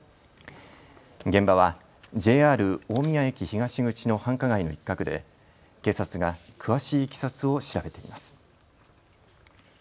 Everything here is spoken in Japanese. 現場はＪＲ大宮駅東口の繁華街の一角で警察が詳しいいきさつを調べています。